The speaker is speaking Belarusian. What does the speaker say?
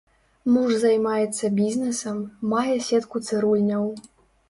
Муж займаецца бізнесам, мае сетку цырульняў.